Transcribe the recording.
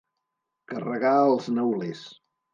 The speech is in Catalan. Carregar els neulers.